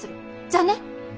じゃあね。